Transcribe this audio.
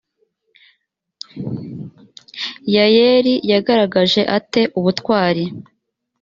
yayeli yagaragaje ate ubutwari